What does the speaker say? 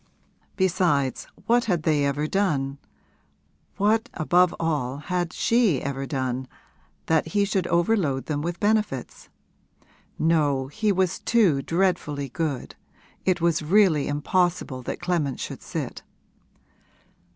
Besides, what had they ever done what above all had she ever done, that he should overload them with benefits? No, he was too dreadfully good; it was really impossible that Clement should sit.